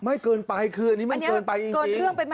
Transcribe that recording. เกินไปคืออันนี้มันเกินไปเอง